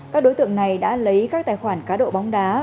các đối tượng này đã lấy các tài khoản cá độ bóng đá